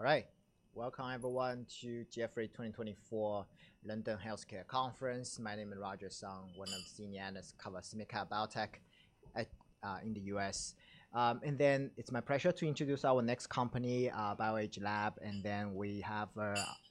All right. Welcome, everyone, to Jefferies 2024 London Healthcare Conference. My name is Roger Song, one of the senior analysts covering SMID-cap biotech in the U.S. And then it's my pleasure to introduce our next company, BioAge Labs. And then we have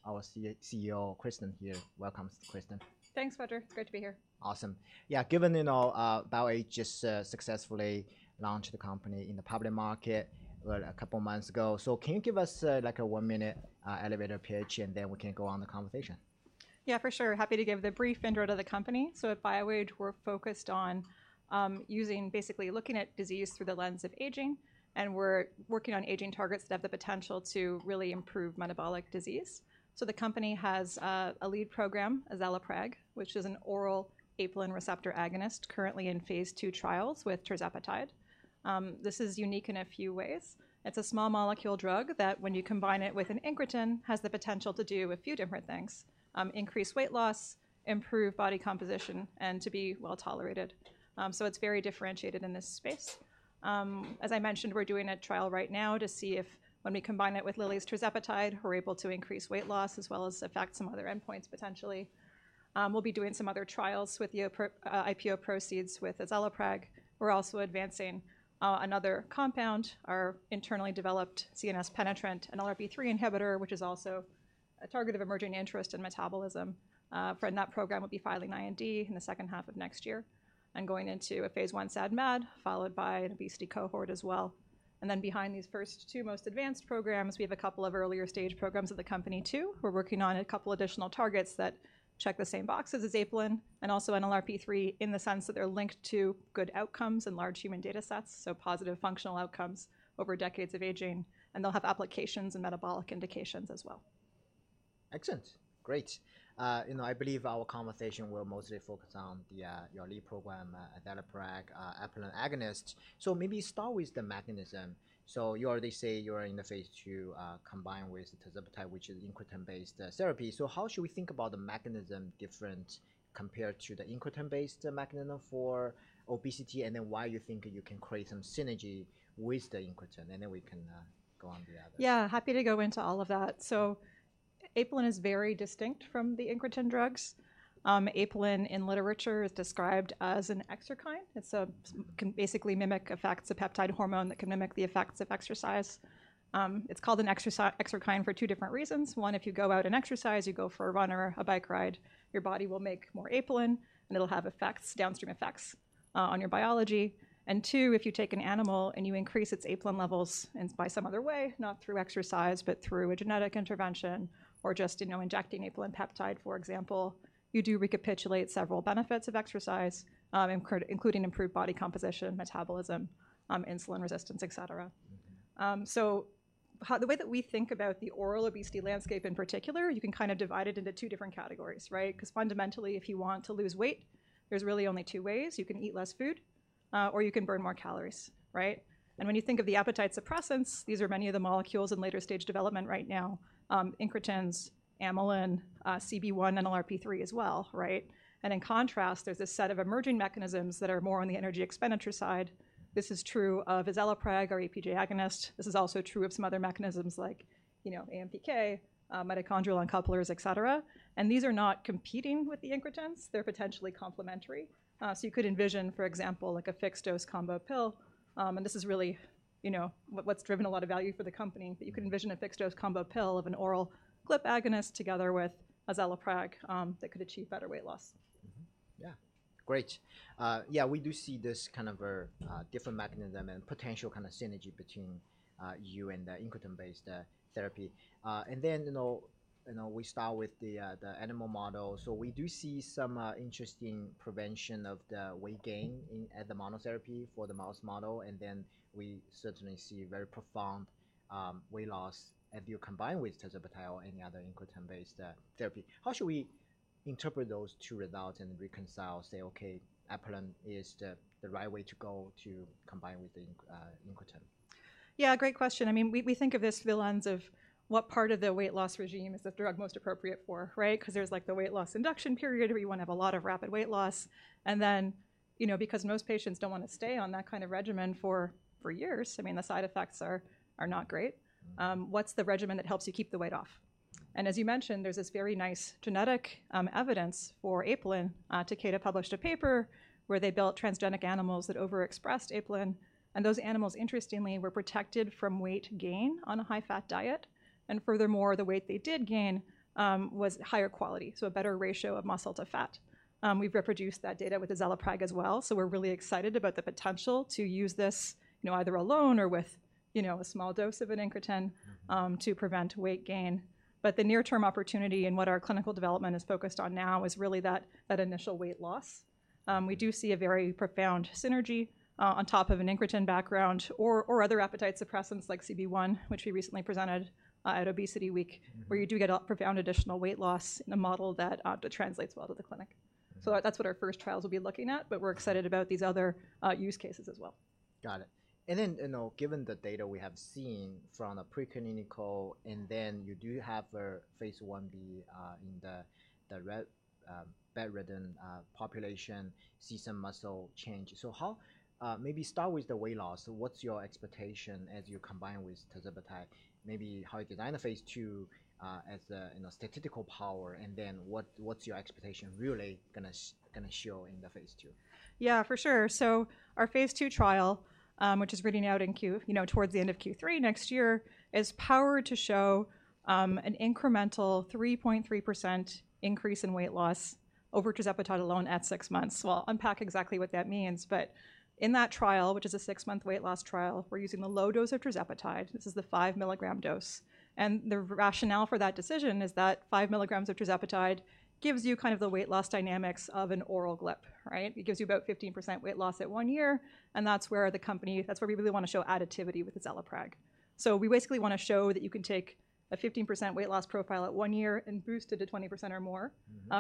our CEO, Kristen, here. Welcome, Kristen. Thanks, Roger. Great to be here. Awesome. Yeah, given BioAge just successfully launched the company in the public market a couple of months ago. So can you give us like a one-minute elevator pitch, and then we can go on the conversation? Yeah, for sure. Happy to give the brief intro to the company. At BioAge, we're focused on using, basically looking at disease through the lens of aging. We're working on aging targets that have the potential to really improve metabolic disease. The company has a lead program, azelaprag, which is an oral apelin receptor agonist currently in phase II trials with tirzepatide. This is unique in a few ways. It's a small molecule drug that when you combine it with an incretin, has the potential to do a few different things: increase weight loss, improve body composition, and to be well tolerated. It's very differentiated in this space. As I mentioned, we're doing a trial right now to see if when we combine it with Lilly's tirzepatide, we're able to increase weight loss as well as affect some other endpoints potentially. We'll be doing some other trials with IPO proceeds with azelaprag. We're also advancing another compound, our internally developed CNS penetrant, an NLRP3 inhibitor, which is also a target of emerging interest in metabolism. And that program will be filing IND in the second half of next year and going into a phase I SAD/MAD followed by an obesity cohort as well. And then behind these first two most advanced programs, we have a couple of earlier stage programs of the company too. We're working on a couple of additional targets that check the same boxes as apelin and also NLRP3 in the sense that they're linked to good outcomes in large human data sets, so positive functional outcomes over decades of aging. And they'll have applications and metabolic indications as well. Excellent. Great. I believe our conversation will mostly focus on your lead program, azelaprag, apelin agonist. So maybe start with the mechanism. So you already say you're in the phase II combined with tirzepatide, which is an incretin-based therapy. So how should we think about the mechanism different compared to the incretin-based mechanism for obesity? And then why do you think you can create some synergy with the incretin? And then we can go on to the other. Yeah, happy to go into all of that. So apelin is very distinct from the incretin drugs. Apelin in literature is described as an exerkine. It can basically mimic effects of peptide hormone that can mimic the effects of exercise. It's called an exerkine for two different reasons. One, if you go out and exercise, you go for a run or a bike ride, your body will make more apelin, and it'll have effects, downstream effects on your biology. And two, if you take an animal and you increase its apelin levels by some other way, not through exercise, but through a genetic intervention or just in injecting apelin peptide, for example, you do recapitulate several benefits of exercise, including improved body composition, metabolism, insulin resistance, et cetera. So the way that we think about the oral obesity landscape in particular, you can kind of divide it into two different categories, right? Because fundamentally, if you want to lose weight, there's really only two ways. You can eat less food or you can burn more calories, right? And when you think of the appetite suppressants, these are many of the molecules in later stage development right now: incretins, amylin, CB1, and NLRP3 as well, right? And in contrast, there's this set of emerging mechanisms that are more on the energy expenditure side. This is true of azelaprag, our APJ agonist. This is also true of some other mechanisms like AMPK, mitochondrial uncouplers, et cetera. And these are not competing with the incretins. They're potentially complementary. So you could envision, for example, like a fixed dose combo pill. This is really what's driven a lot of value for the company. You could envision a fixed dose combo pill of an oral GLP agonist together with azelaprag that could achieve better weight loss. Yeah, great. Yeah, we do see this kind of a different mechanism and potential kind of synergy between you and the incretin-based therapy. And then we start with the animal model. So we do see some interesting prevention of the weight gain at the monotherapy for the mouse model. And then we certainly see very profound weight loss if you combine with tirzepatide or any other incretin-based therapy. How should we interpret those two results and reconcile, say, okay, apelin is the right way to go to combine with the incretin? Yeah, great question. I mean, we think of this through the lens of what part of the weight loss regime is this drug most appropriate for, right? Because there's like the weight loss induction period where you want to have a lot of rapid weight loss. And then because most patients don't want to stay on that kind of regimen for years, I mean, the side effects are not great. What's the regimen that helps you keep the weight off? And as you mentioned, there's this very nice genetic evidence for apelin. Takeda published a paper where they built transgenic animals that overexpressed apelin. And those animals, interestingly, were protected from weight gain on a high-fat diet. And furthermore, the weight they did gain was higher quality, so a better ratio of muscle to fat. We've reproduced that data with azelaprag as well. So we're really excited about the potential to use this either alone or with a small dose of an incretin to prevent weight gain. But the near-term opportunity and what our clinical development is focused on now is really that initial weight loss. We do see a very profound synergy on top of an incretin background or other appetite suppressants like CB1, which we recently presented at Obesity Week, where you do get a profound additional weight loss in a model that translates well to the clinic. So that's what our first trials will be looking at. But we're excited about these other use cases as well. Got it. And then, given the data we have seen from the preclinical, and then you do have a phase Ib in the bed rest population, see some muscle change. So maybe start with the weight loss. What's your expectation as you combine with tirzepatide? Maybe how you design a phase II as a statistical power. And then what's your expectation really going to show in the phase II? Yeah, for sure. So our phase II trial, which is reading out in Q3, towards the end of Q3 next year, is powered to show an incremental 3.3% increase in weight loss over tirzepatide alone at six months. So I'll unpack exactly what that means. But in that trial, which is a six-month weight loss trial, we're using the low dose of tirzepatide. This is the five milligram dose. And the rationale for that decision is that five milligrams of tirzepatide gives you kind of the weight loss dynamics of an oral GLP, right? It gives you about 15% weight loss at one year. And that's where the company, that's where we really want to show additivity with azelaprag. So we basically want to show that you can take a 15% weight loss profile at one year and boost it to 20% or more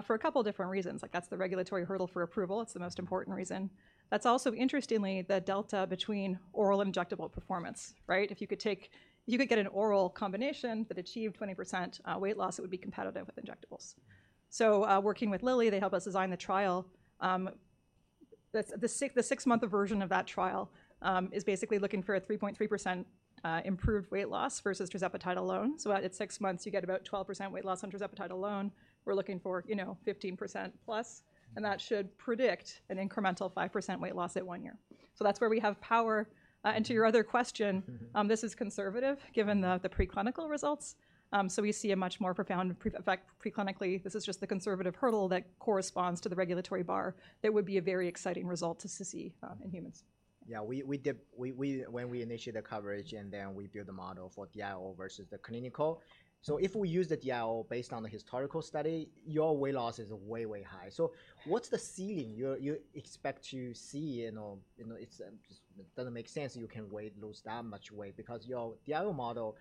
for a couple of different reasons. Like that's the regulatory hurdle for approval. It's the most important reason. That's also interestingly the delta between oral and injectable performance, right? If you could get an oral combination that achieved 20% weight loss, it would be competitive with injectables. So working with Lilly, they helped us design the trial. The six-month version of that trial is basically looking for a 3.3% improved weight loss versus tirzepatide alone. So at six months, you get about 12% weight loss on tirzepatide alone. We're looking for 15% plus. And that should predict an incremental 5% weight loss at one year. So that's where we have power. And to your other question, this is conservative given the preclinical results. So we see a much more profound effect preclinically. This is just the conservative hurdle that corresponds to the regulatory bar.It would be a very exciting result to see in humans. Yeah, when we initiate the coverage and then we build the model for DIO versus the clinical. So if we use the DIO based on the historical study, your weight loss is way, way high. So what's the ceiling you expect to see? It doesn't make sense you can lose that much weight because your DIO model,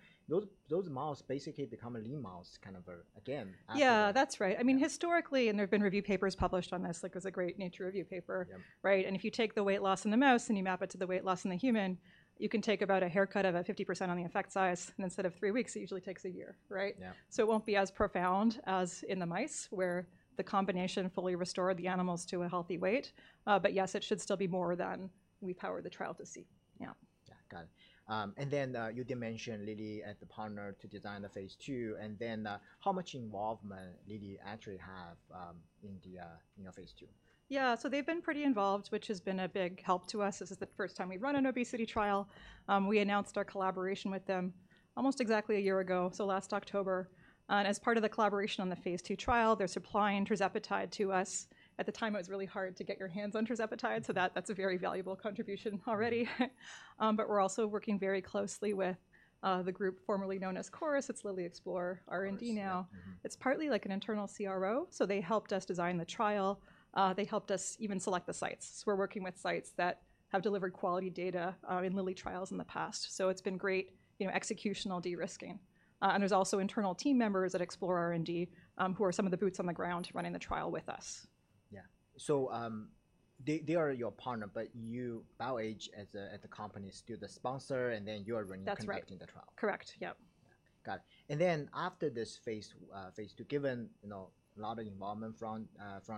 those mouse basically become a lean mouse kind of again. Yeah, that's right. I mean, historically, and there have been review papers published on this, like there's a great Nature review paper, right? And if you take the weight loss in the mouse and you map it to the weight loss in the human, you can take about a haircut of a 50% on the effect size. And instead of three weeks, it usually takes a year, right? So it won't be as profound as in the mice where the combination fully restored the animals to a healthy weight. But yes, it should still be more than we powered the trial to see. Yeah. Yeah, got it. And then you did mention Lilly as the partner to design the phase II. And then how much involvement Lilly actually have in the phase II? Yeah, so they've been pretty involved, which has been a big help to us. This is the first time we've run an obesity trial. We announced our collaboration with them almost exactly a year ago, so last October. And as part of the collaboration on the phase II trial, they're supplying tirzepatide to us. At the time, it was really hard to get your hands on tirzepatide. So that's a very valuable contribution already. But we're also working very closely with the group formerly known as Chorus. It's Lilly Exploratory R&D now. It's partly like an internal CRO. So they helped us design the trial. They helped us even select the sites. So we're working with sites that have delivered quality data in Lilly trials in the past. So it's been great executional de-risking. There's also internal team members at Exploratory R&D who are some of the boots on the ground running the trial with us. Yeah. So they are your partner, but you, BioAge at the company, still the sponsor. And then you are running the trial. That's right. Correct. Yeah. Got it, and then after this phase II, given a lot of involvement from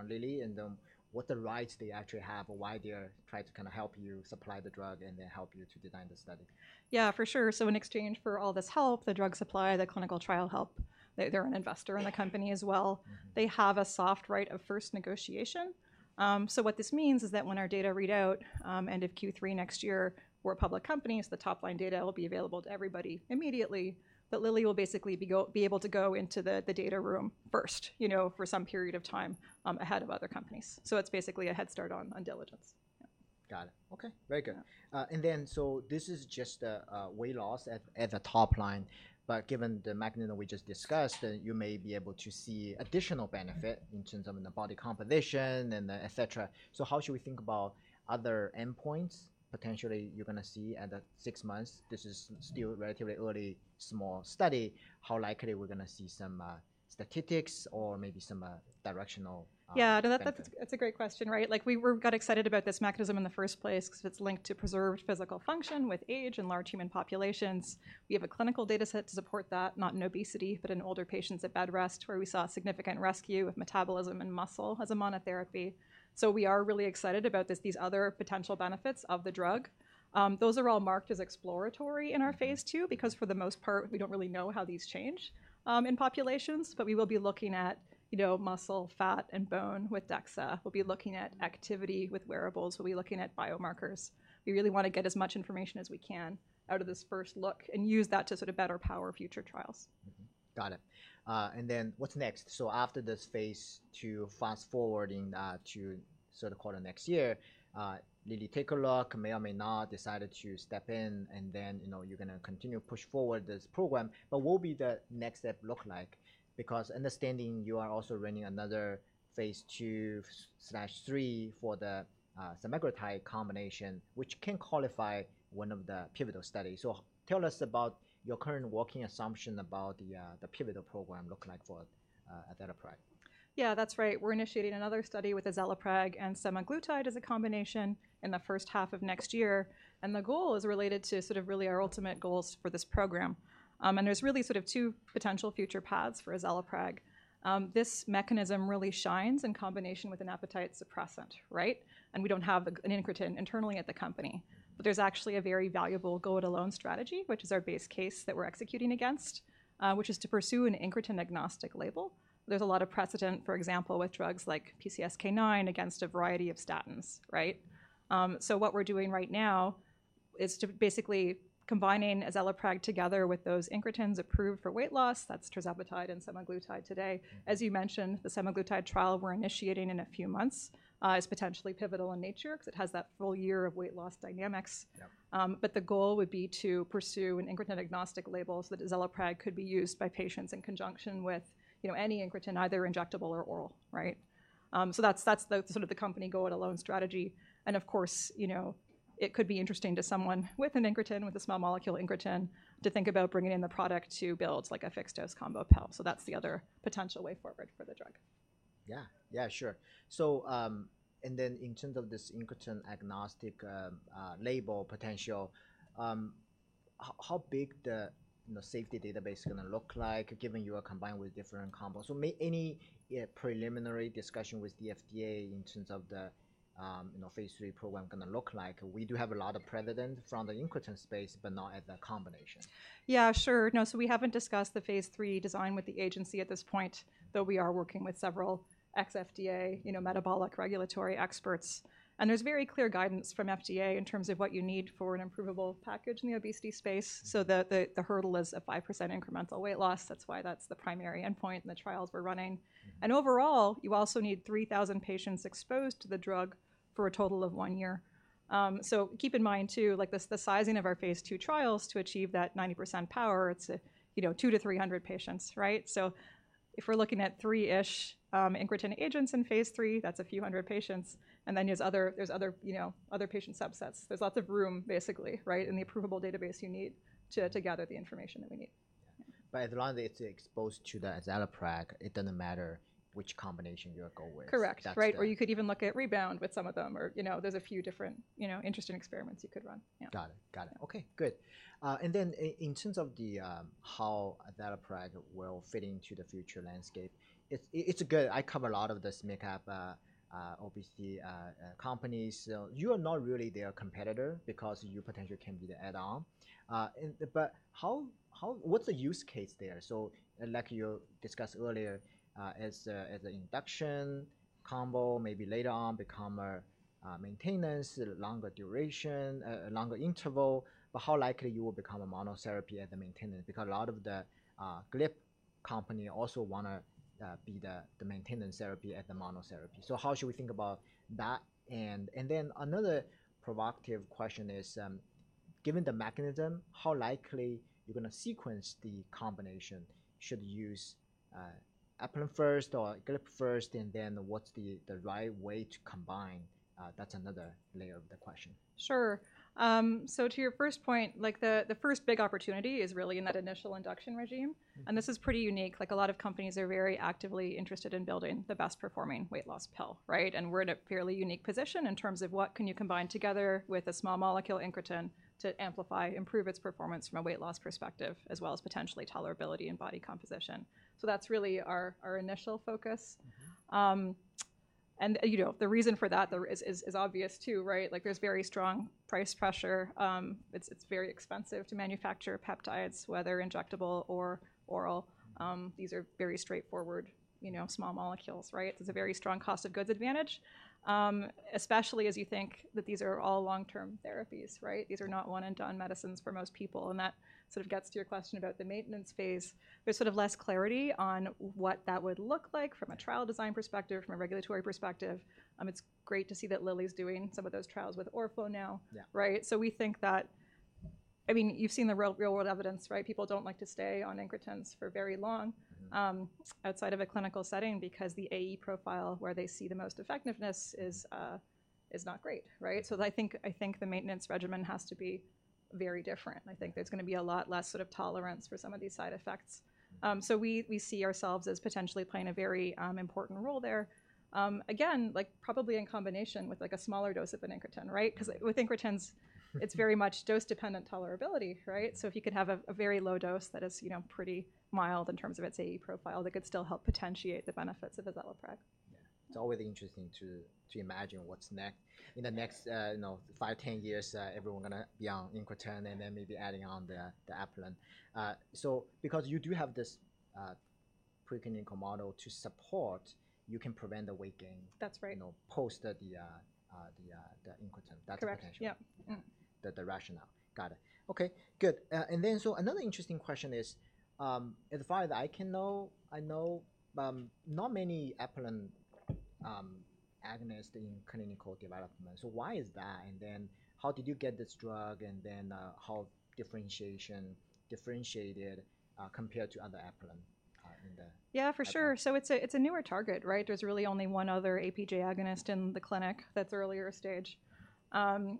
Lilly, and then what the rights they actually have, why they're trying to kind of help you supply the drug and then help you to design the study. Yeah, for sure. So in exchange for all this help, the drug supply, the clinical trial help, they're an investor in the company as well. They have a soft right of first negotiation. So what this means is that when our data read out, end of Q3 next year, we're a public company. So the top line data will be available to everybody immediately. But Lilly will basically be able to go into the data room first for some period of time ahead of other companies. So it's basically a head start on diligence. Got it. Okay, very good. And then so this is just weight loss at the top line. But given the mechanism we just discussed, you may be able to see additional benefit in terms of the body composition and et cetera. So how should we think about other endpoints potentially you're going to see at six months? This is still relatively early small study. How likely we're going to see some statistics or maybe some directional? Yeah, that's a great question, right? Like we got excited about this mechanism in the first place because it's linked to preserved physical function with age in large human populations. We have a clinical data set to support that, not in obesity, but in older patients at bedrest where we saw a significant rescue of metabolism and muscle as a monotherapy. So we are really excited about these other potential benefits of the drug. Those are all marked as exploratory in our phase II because for the most part, we don't really know how these change in populations. But we will be looking at muscle, fat, and bone with DEXA. We'll be looking at activity with wearables. We'll be looking at biomarkers. We really want to get as much information as we can out of this first look and use that to sort of better power future trials. Got it. And then what's next? So after this phase II, fast forwarding to sort of quarter next year, Lilly take a look, may or may not decide to step in, and then you're going to continue to push forward this program. But what will the next step look like? Because understanding you are also running another phase II/III for the semaglutide combination, which can qualify one of the pivotal studies. So tell us about your current working assumption about the pivotal program looking like for azelaprag. Yeah, that's right. We're initiating another study with azelaprag and semaglutide as a combination in the first half of next year. And the goal is related to sort of really our ultimate goals for this program. And there's really sort of two potential future paths for azelaprag. This mechanism really shines in combination with an appetite suppressant, right? And we don't have an incretin internally at the company. But there's actually a very valuable go-it-alone strategy, which is our base case that we're executing against, which is to pursue an incretin-agnostic label. There's a lot of precedent, for example, with drugs like PCSK9 against a variety of statins, right? So what we're doing right now is basically combining azelaprag together with those incretins approved for weight loss. That's tirzepatide and semaglutide today. As you mentioned, the semaglutide trial we're initiating in a few months is potentially pivotal in nature because it has that full year of weight loss dynamics. But the goal would be to pursue an incretin-agnostic label so that azelaprag could be used by patients in conjunction with any incretin, either injectable or oral, right? So that's sort of the company go-it-alone strategy. And of course, it could be interesting to someone with an incretin, with a small molecule incretin, to think about bringing in the product to build like a fixed dose combo pill. So that's the other potential way forward for the drug. Yeah, yeah, sure. And then in terms of this incretin-agnostic label potential, how big the safety database is going to look like given you are combined with different combos? So any preliminary discussion with the FDA in terms of the phase III program going to look like? We do have a lot of precedent from the incretin space, but not at the combination. Yeah, sure. No, so we haven't discussed the phase III design with the agency at this point, though we are working with several ex-FDA metabolic regulatory experts. And there's very clear guidance from FDA in terms of what you need for an approvable package in the obesity space. So the hurdle is a 5% incremental weight loss. That's why that's the primary endpoint in the trials we're running. And overall, you also need 3,000 patients exposed to the drug for a total of one year. So keep in mind too, like the sizing of our phase II trials to achieve that 90% power, it's 200-300 patients, right? So if we're looking at three-ish incretin agents in phase III, that's a few hundred patients. And then there's other patient subsets. There's lots of room basically, right, in the approvable database you need to gather the information that we need. But as long as it's exposed to the azelaprag, it doesn't matter which combination you're going with. Correct, right? Or you could even look at rebound with some of them. Or there's a few different interesting experiments you could run. Got it. Got it. Okay, good. And then in terms of how azelaprag will fit into the future landscape, it's good. I cover a lot of these mid-cap obesity companies. You are not really their competitor because you potentially can be the add-on. But what's the use case there? So like you discussed earlier, as an induction combo, maybe later on become a maintenance, longer duration, longer interval. But how likely you will become a monotherapy at the maintenance? Because a lot of the GLP company also want to be the maintenance therapy at the monotherapy. So how should we think about that? And then another provocative question is, given the mechanism, how likely you're going to sequence the combination? Should you use apelin first or GLP first? And then what's the right way to combine? That's another layer of the question. Sure. So to your first point, like the first big opportunity is really in that initial induction regime. And this is pretty unique. Like a lot of companies are very actively interested in building the best performing weight loss pill, right? And we're in a fairly unique position in terms of what can you combine together with a small molecule incretin to amplify, improve its performance from a weight loss perspective, as well as potentially tolerability and body composition. So that's really our initial focus. And the reason for that is obvious too, right? Like there's very strong price pressure. It's very expensive to manufacture peptides, whether injectable or oral. These are very straightforward small molecules, right? There's a very strong cost of goods advantage, especially as you think that these are all long-term therapies, right? These are not one-and-done medicines for most people. And that sort of gets to your question about the maintenance phase. There's sort of less clarity on what that would look like from a trial design perspective, from a regulatory perspective. It's great to see that Lilly's doing some of those trials with orforglipron, right? So we think that, I mean, you've seen the real-world evidence, right? People don't like to stay on incretins for very long outside of a clinical setting because the AE profile where they see the most effectiveness is not great, right? So I think the maintenance regimen has to be very different. I think there's going to be a lot less sort of tolerance for some of these side effects. So we see ourselves as potentially playing a very important role there. Again, like probably in combination with like a smaller dose of an incretin, right? Because with incretins, it's very much dose-dependent tolerability, right? So if you could have a very low dose that is pretty mild in terms of its AE profile, that could still help potentiate the benefits of azelaprag. It's always interesting to imagine what's next. In the next five, 10 years, everyone going to be on incretin and then maybe adding on the apelin. So because you do have this preclinical model to support, you can prevent the weight gain post the incretin. That's the rationale. Got it. Okay, good. And then so another interesting question is, as far as I can know, I know not many apelin agonists in clinical development. So why is that? And then how did you get this drug? And then how differentiated compared to other apelin in the? Yeah, for sure. So it's a newer target, right? There's really only one other APJ agonist in the clinic that's earlier stage. And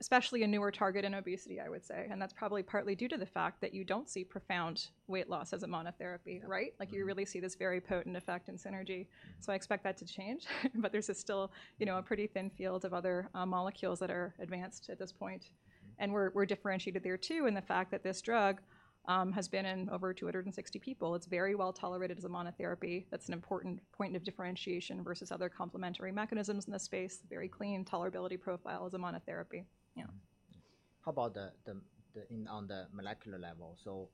especially a newer target in obesity, I would say. And that's probably partly due to the fact that you don't see profound weight loss as a monotherapy, right? Like you really see this very potent effect in synergy. So I expect that to change. But there's still a pretty thin field of other molecules that are advanced at this point. And we're differentiated there too in the fact that this drug has been in over 260 people. It's very well tolerated as a monotherapy. That's an important point of differentiation versus other complementary mechanisms in this space. Very clean tolerability profile as a monotherapy. Yeah. How about on the molecular level? So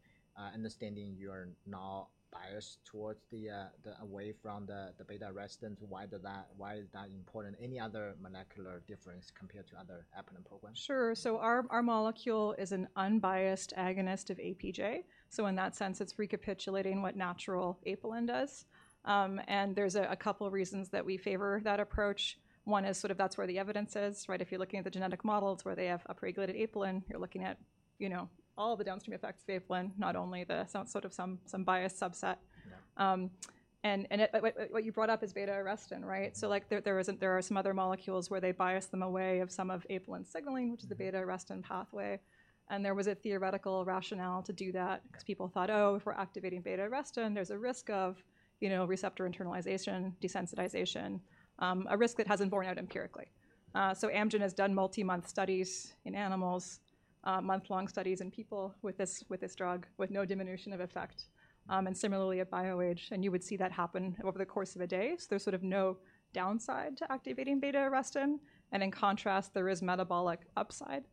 understanding you are not biased towards or away from the beta-arrestin, why is that important? Any other molecular difference compared to other apelin programs? Sure. So our molecule is an unbiased agonist of APJ. So in that sense, it's recapitulating what natural apelin does. And there's a couple of reasons that we favor that approach. One is sort of that's where the evidence is, right? If you're looking at the genetic models, where they have upregulated apelin, you're looking at all the downstream effects of apelin, not only the sort of some biased subset. And what you brought up is beta-arrestin, right? So like there are some other molecules where they bias them away from some of apelin signaling, which is the beta-arrestin pathway. And there was a theoretical rationale to do that because people thought, oh, if we're activating beta-arrestin, there's a risk of receptor internalization, desensitization, a risk that hasn't borne out empirically. Amgen has done multi-month studies in animals, month-long studies in people with this drug, with no diminution of effect. And similarly, at BioAge, and you would see that happen over the course of a day. There's sort of no downside to activating beta-arrestin. And in contrast, there is metabolic upside.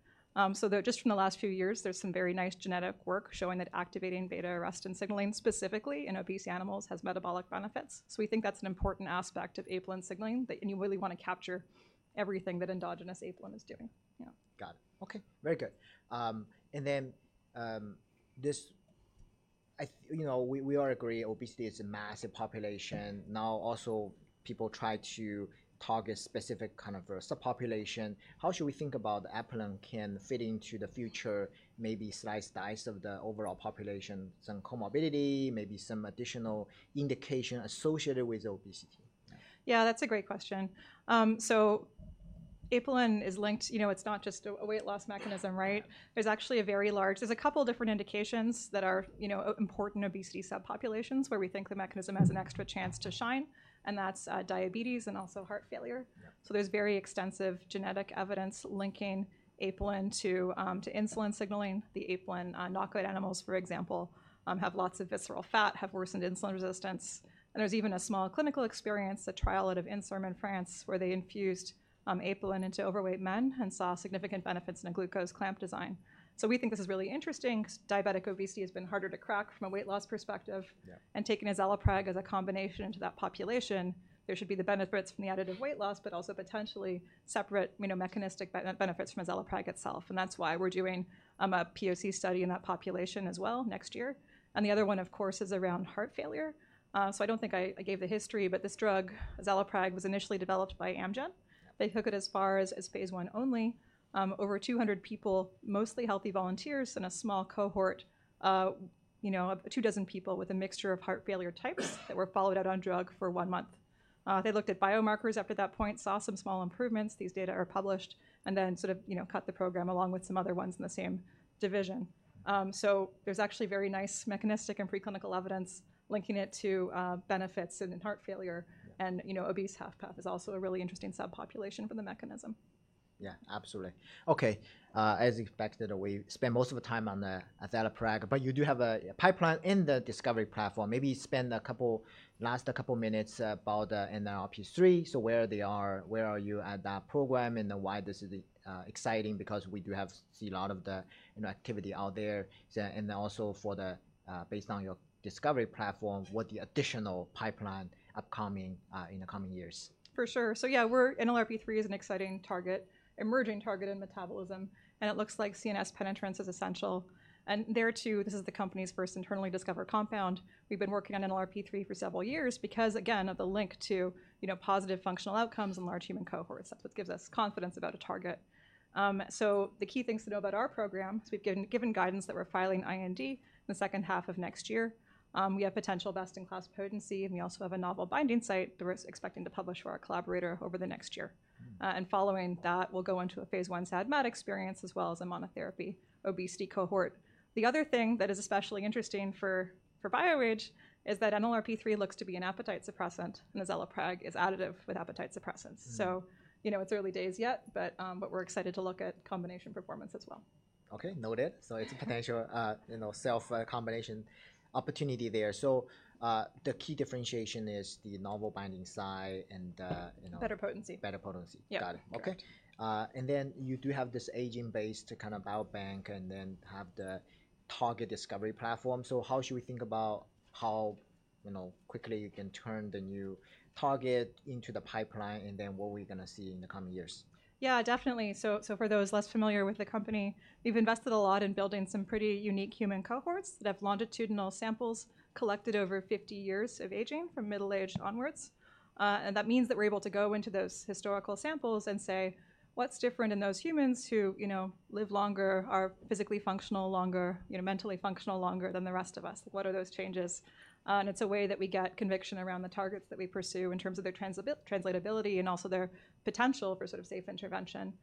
Just from the last few years, there's some very nice genetic work showing that activating beta-arrestin signaling specifically in obese animals has metabolic benefits. We think that's an important aspect of apelin signaling that you really want to capture everything that endogenous apelin is doing. Got it. Okay, very good. And then we all agree obesity is a massive population. Now also people try to target specific kind of subpopulation. How should we think about the apelin can fit into the future, maybe slice the pie of the overall population, some comorbidity, maybe some additional indication associated with obesity? Yeah, that's a great question. So apelin is linked, you know, it's not just a weight loss mechanism, right? There's actually a very large, there's a couple of different indications that are important obesity subpopulations where we think the mechanism has an extra chance to shine. And that's diabetes and also heart failure. So there's very extensive genetic evidence linking apelin to insulin signaling. The apelin knockout animals, for example, have lots of visceral fat, have worsened insulin resistance. And there's even a small clinical experience, a trial out of Inserm in France, where they infused apelin into overweight men and saw significant benefits in a glucose clamp design. So we think this is really interesting. Diabetic obesity has been harder to crack from a weight loss perspective. And taking azelaprag as a combination into that population, there should be the benefits from the additive weight loss, but also potentially separate mechanistic benefits from azelaprag itself. And that's why we're doing a POC study in that population as well next year. And the other one, of course, is around heart failure. So I don't think I gave the history, but this drug, azelaprag, was initially developed by Amgen. They took it as far as phase I only. Over 200 people, mostly healthy volunteers in a small cohort, two dozen people with a mixture of heart failure types that were followed out on drug for one month. They looked at biomarkers after that point, saw some small improvements. These data are published. And then sort of cut the program along with some other ones in the same division. There's actually very nice mechanistic and preclinical evidence linking it to benefits in heart failure. Obese HFpEF is also a really interesting subpopulation for the mechanism. Yeah, absolutely. Okay. As expected, we spend most of the time on the azelaprag, but you do have a pipeline in the discovery platform. Maybe spend the last couple of minutes about NLRP3. So where are you at that program and why this is exciting? Because we do see a lot of the activity out there. And also based on your discovery platform, what the additional pipeline upcoming in the coming years? For sure. So yeah, NLRP3 is an exciting target, emerging target in metabolism. And it looks like CNS penetrance is essential. And there too, this is the company's first internally discovered compound. We've been working on NLRP3 for several years because, again, of the link to positive functional outcomes in large human cohorts. That's what gives us confidence about a target. So the key things to know about our program, we've been given guidance that we're filing IND in the second half of next year. We have potential best-in-class potency. And we also have a novel binding site that we're expecting to publish for our collaborator over the next year. And following that, we'll go into a phase I SAD/MAD experience as well as a monotherapy obesity cohort. The other thing that is especially interesting for BioAge is that NLRP3 looks to be an appetite suppressant and azelaprag is additive with appetite suppressants. So it's early days yet, but we're excited to look at combination performance as well. Okay, noted. So it's a potential self-combination opportunity there. So the key differentiation is the novel binding site and. Better potency. Better potency. Got it. Okay. And then you do have this aging-based kind of biobank and then have the target discovery platform. So how should we think about how quickly you can turn the new target into the pipeline and then what we're going to see in the coming years? Yeah, definitely. So for those less familiar with the company, we've invested a lot in building some pretty unique human cohorts that have longitudinal samples collected over 50 years of aging from middle age onwards. And that means that we're able to go into those historical samples and say, what's different in those humans who live longer, are physically functional longer, mentally functional longer than the rest of us? What are those changes? And it's a way that we get conviction around the targets that we pursue in terms of their translatability and also their potential for sort of safe intervention.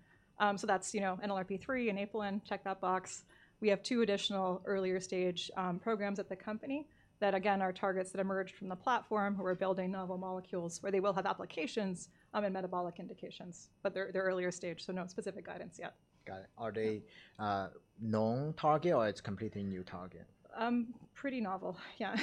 So that's NLRP3 and apelin, check that box. We have two additional earlier stage programs at the company that, again, are targets that emerged from the platform who are building novel molecules where they will have applications and metabolic indications, but they're earlier stage. So no specific guidance yet. Got it. Are they known target or it's completely new target? Pretty novel, yeah.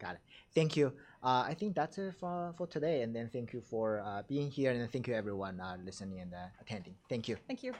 Okay, got it. Thank you. I think that's it for today, and then thank you for being here and thank you everyone listening and attending. Thank you. Thank you.